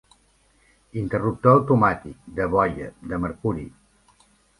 Interruptor automàtic, de boia, de mercuri.